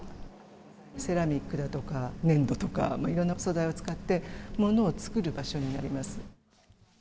セラミックだとか、粘土とか、色んな素材を使って、ものを作る場所になります。